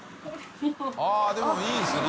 あぁでもいいですね。